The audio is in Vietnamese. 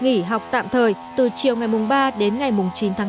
nghỉ học tạm thời từ chiều ngày ba đến ngày chín tháng tám